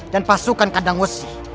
dan pasukan kandang wesi